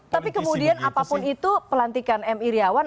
tapi kemudian apapun itu pelantikan mi irawan